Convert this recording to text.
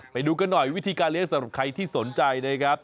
ไปดูกันหน่อยวิธีการเลี้ยงสำหรับใครที่สนใจนะครับ